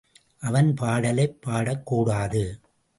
அவன் பாடலைப் பாடக்கூடாது.